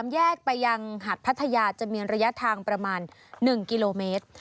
แยกไปยังหัดพัทยาจะมีระยะทางประมาณ๑กิโลเมตร